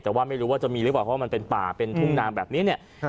แต่ว่าไม่รู้ว่าจะมีหรือเปล่าเพราะว่ามันเป็นป่าเป็นทุ่งนาแบบนี้เนี่ย